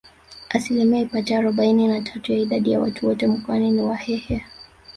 Asilimia ipatayo arobaini na tatu ya idadi ya watu wote Mkoani ni Wahehe